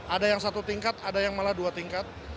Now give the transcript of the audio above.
ada yang satu tingkat ada yang malah dua tingkat